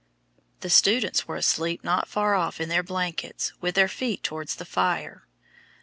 The students were asleep not far off in their blankets with their feet towards the fire.